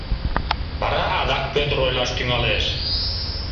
Вара адак Пӧдыр ойлаш тӱҥалеш: